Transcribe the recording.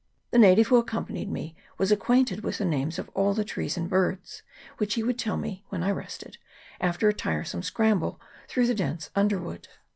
The native who accompanied me was acquainted with the names of all the trees and birds, which he would tell me when I rested, after a tiresome scramble through the dense underwood.